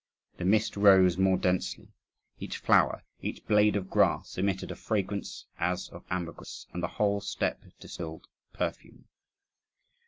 The mist rose more densely; each flower, each blade of grass, emitted a fragrance as of ambergris, and the whole steppe distilled perfume.